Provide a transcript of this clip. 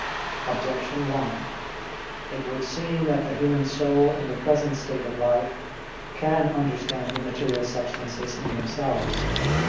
Objection 1: It would seem that the human soul in the present state of life can understand immaterial substances in themselves.